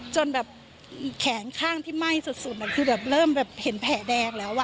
จนแบบแขนข้างที่ไหม้สุดคือแบบเริ่มแบบเห็นแผลแดงแล้ว